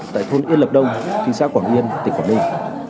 tại thôn yên lập đông thị xã quảng yên tỉnh quảng ninh